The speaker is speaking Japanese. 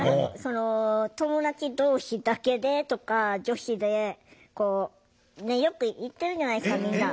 友達同士だけでとか女子でこうよく行ってるじゃないですかみんな。